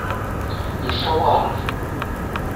Mcawaren.